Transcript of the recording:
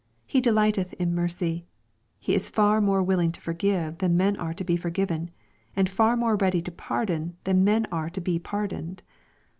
He "delighteth in mercy." He is far more willing to forgive than men are to be forgiven, and far more ready to pardon than men are to be pai doned.